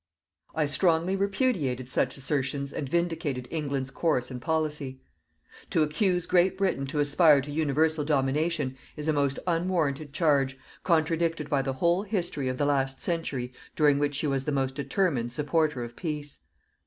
I strongly repudiated such assertions and vindicated England's course and policy. To accuse Great Britain to aspire to universal domination is a most unwarranted charge, contradicted by the whole history of the last century during which she was the most determined supporter of peace.